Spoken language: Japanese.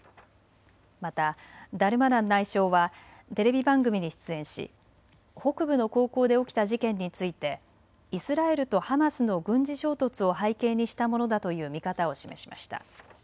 またダルマナン内相はテレビ番組に出演し北部の高校で起きた事件についてイスラエルとハマスの軍事衝突を背景にしたものだという見方を示しました。